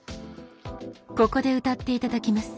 ここで歌って頂きます。